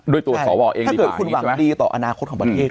ด้วยตัวสอวร์เองดีกว่าอย่างนี้ใช่ไหมใช่ถ้าเกิดคุณหวังดีต่ออนาคตของประเทศ